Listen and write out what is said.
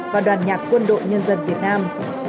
và đoàn nhạc quân đội nhân dân việt nam